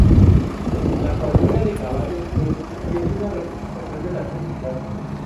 La cuadriga de caballos-peces es una representación de la Felicidad.